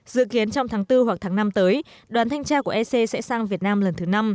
dự kiến trong tháng bốn hoặc tháng năm tới đoàn thanh tra của ec sẽ sang việt nam lần thứ năm